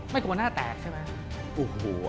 ไม่กลัวหน้าแตกใช่ไหม